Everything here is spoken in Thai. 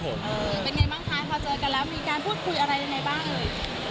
เป็นอย่างไรบ้างคะพอเจอกันแล้วมีการพูดคุยอะไรอย่างไรบ้าง